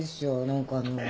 何かあのう。